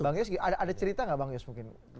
bang yus ada cerita gak bang yus mungkin